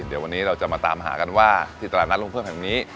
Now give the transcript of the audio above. เดี๋ยววันนี้เราจะมาตามหากันว่าที่ตลาดนัดลงเพิ่มแห่งนี้